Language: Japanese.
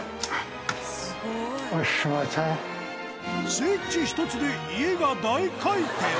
スイッチ１つで家が大回転！